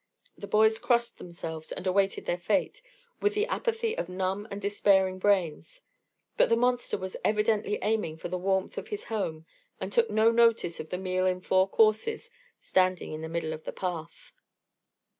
The boys crossed themselves and awaited their fate, with the apathy of numb and despairing brains; but the monster was evidently aiming for the warmth of his home, and took no notice of the meal in four courses standing in the middle of the path.